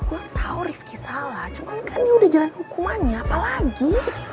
gue tau rifki salah cuma kan dia udah jalan hukumannya apalagi